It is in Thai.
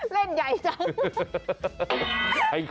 เล่นใหญ่จัง